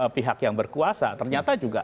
pihak yang berkuasa ternyata juga